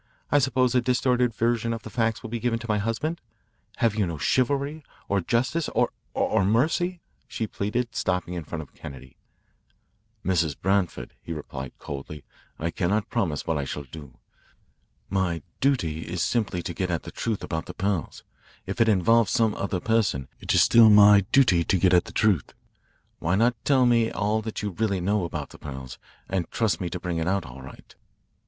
I suppose a distorted version of the facts will be given to my husband. Have you no chivalry, or justice, or or mercy?" she pleaded, stopping in front of Kennedy. "Mrs. Branford," he replied coldly, "I cannot promise what I shall do. My duty is simply to get at the truth about the pearls. If it involves some other person, it is still my duty to get at the truth. Why not tell me all that you really know about the pearls and trust me to bring it out all right?"